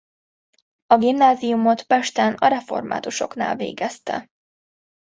A gimnáziumot Pesten a reformátusoknál végezte.